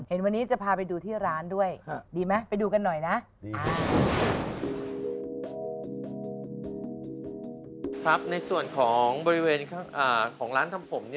เห็นวันนี้จะพาไปดูที่ร้านด้วยดีไหมไปดูกันหน่อยนะอ่าครับในส่วนของบริเวณของร้านทำผม